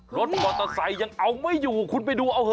รถออกต่อใส่ยังเอาไม่อยู่คุณไปดูเอาเถอะ